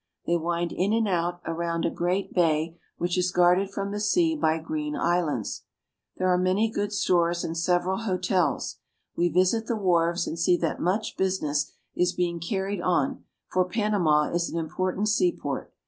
They wind in and out around a great bay which is guarded from the sea by green islands. There are many good stores, and several hotels. We visit the wharves and see that much business is being car ried on, for Panama is an important seaport.